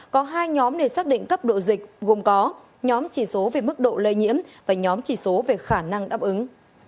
có hai nhóm để xác định cấp độ dịch gồm có nhóm chỉ số về mức độ lây nhiễm và nhóm chỉ số về khả năng đáp ứng